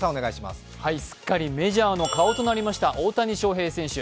すっかりメジャーの顔となりました、大谷翔平選手。